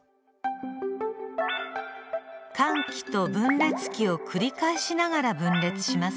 間期と分裂期を繰り返しながら分裂します。